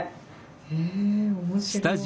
へえ面白い。